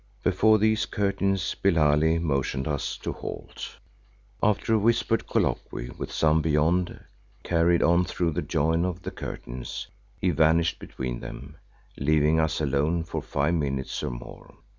Before these curtains Billali motioned us to halt. After a whispered colloquy with someone beyond carried on through the join of the curtains, he vanished between them, leaving us alone for five minutes or more.